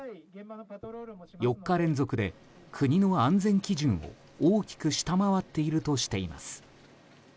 ４日連続で国の安全基準を大きく下回っているとしています。